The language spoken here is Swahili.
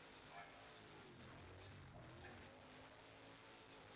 Keki ya viazi lishe na mapishi yake